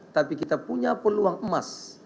tapi kita punya peluang emas